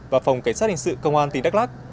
và phòng cảnh sát hành sự công an tp đắc lắc